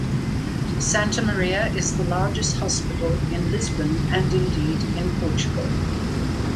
Santa Maria is the largest hospital in Lisbon and indeed in Portugal.